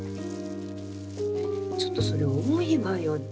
ちょっとそれ多いわよ。